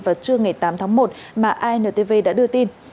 vào trưa ngày tám tháng một mà intv đã đưa tin